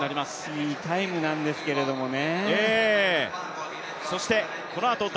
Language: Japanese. いいタイムなんですけどね。